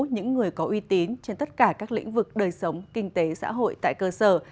những người có uy tín trên tất cả các lĩnh vực đời sống kinh tế xã hội tại cơ sở